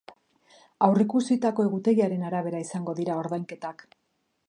Aurreikusitako egutegiaren arabera izango dira ordainketak.